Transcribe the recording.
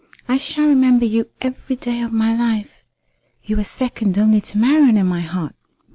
I shall remember you every day of my life. You are second only to Marian in my heart.